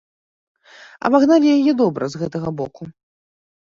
Абагналі яе добра з гэтага боку.